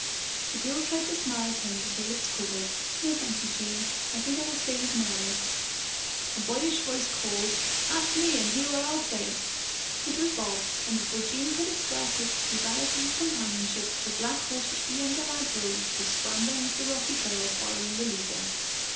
The girl tried to smile at him, but her lips quivered. "No, thank you, Jean. I think I will stay with Merry." A boyish voice called, "Ask me and hear what I'll say." It was Bob, and before Jean could express a desire for his companionship, the black horse which the younger lad rode was scrambling up the rocky trail following the leader.